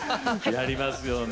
やりますよね。